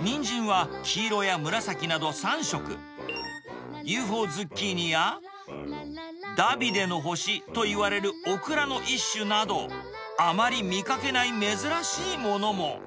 ニンジンは黄色や紫など３色、ＵＦＯズッキーニや、ダビデの星といわれるオクラの一種など、あまり見かけない珍しいものも。